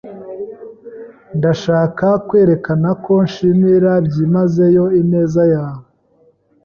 [S] Ndashaka kwerekana ko nshimira byimazeyo ineza yawe.